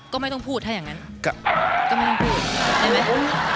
ก็ไม่ต้องพูดถ้าอย่างนั้น